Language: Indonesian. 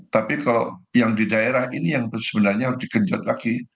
tapi kalau yang di daerah ini yang sebenarnya harus dikenjot lagi